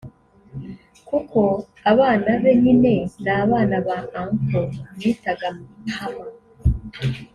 Kuko abana be nyine ni abana ba uncle bitaga Mpama